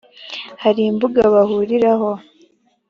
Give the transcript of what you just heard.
hari imbuga bahuriraho .